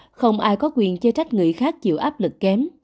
bên cạnh đó không ai có quyền chê trách người khác chịu áp lực kém